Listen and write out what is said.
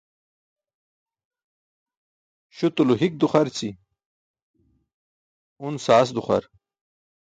Śutulo hik duxarći, un saas duxar.